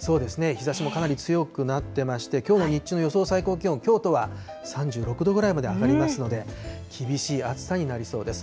日ざしもかなり強くなってまして、きょうの日中の予想最高気温、京都は３６度ぐらいまで上がりますので、厳しい暑さになりそうです。